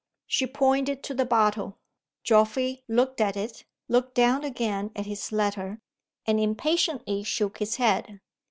She pointed to the bottle. Geoffrey looked at it; looked down again at his letter; and impatiently shook his head.